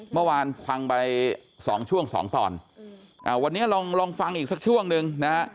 เมื่อวานฟังไป๒ช่วง๒ตอนวันนี้ลองฟังอีกสักช่วงนึงนะฮะ